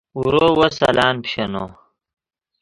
اورو وس الان پیشینو